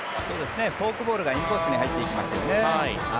フォークボールがインコースに入っていきましたよね。